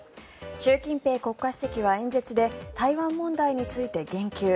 習近平国家主席は演説で台湾問題について言及。